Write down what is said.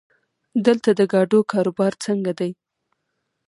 دلته د ګاډو کاروبار څنګه دی؟